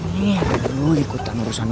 nih lo ikutan urusan orang